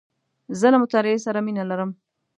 زه له مطالعې سره مینه لرم .